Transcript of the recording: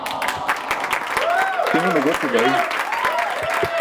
kʰin une goc̣o bai